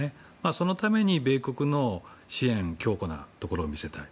そのために米国の支援が強固なところを見せたい。